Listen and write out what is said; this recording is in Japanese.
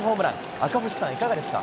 赤星さん、いかがですか？